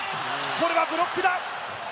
これはブロックだ。